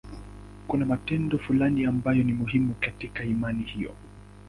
Kuna matendo fulani ambayo ni muhimu katika imani hiyo.